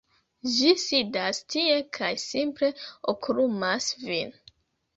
ĝi sidas tie kaj simple okulumas vin.